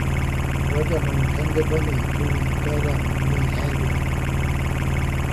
Rydym yn penderfynu pwy ddylem ni herio.